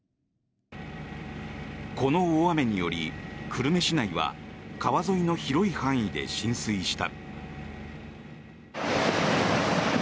この大雨により久留米市内は川沿いの広い範囲で浸水した。